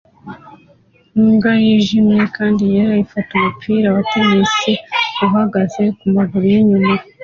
Imbwa yijimye kandi yera ifata umupira wa tennis uhagaze kumaguru yinyuma